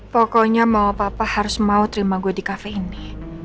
pokoknya mau apa apa harus mau terima gue di kafe ini